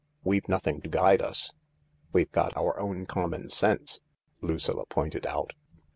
We've nothing to guide us." " We've got our own common sense," Lucilla pointed out.